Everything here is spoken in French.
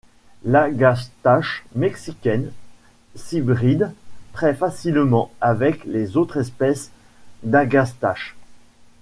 L'agastache mexicaine s'hybride très facilement avec les autres espèces d'agastache.